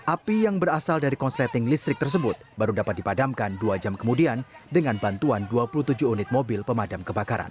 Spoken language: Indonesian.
api yang berasal dari konsleting listrik tersebut baru dapat dipadamkan dua jam kemudian dengan bantuan dua puluh tujuh unit mobil pemadam kebakaran